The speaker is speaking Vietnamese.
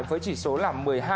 với chỉ số là một mươi hai